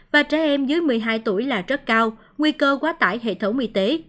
và trẻ em dưới một mươi hai tuổi là rất cao nguy cơ quá tải hệ thống y tế